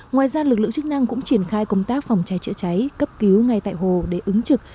ngoài ra lực lượng chức năng cũng triển khai công tác phòng cháy chữa cháy cấp cứu ngay tại hồ để ứng trực